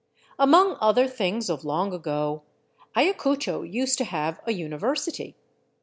Among other things of long ago Ayacucho used to have a uni versity.